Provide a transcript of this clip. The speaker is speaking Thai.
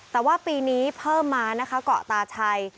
แต่ว่าปีนี้เพิ่มมานะคะเกาะตาชัย